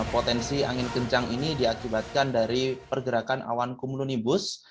potensi angin kencang ini diakibatkan dari pergerakan awan kumulonibus